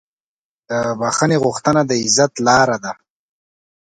د بښنې غوښتنه د عزت لاره ده.